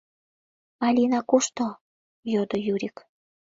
— Алина кушто? — йодо Юрик.